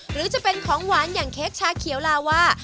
หรือจะเป็นของหวานอย่างเค้กชาเขียวลาวา